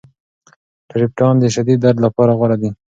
ټریپټان د شدید درد لپاره غوره دي.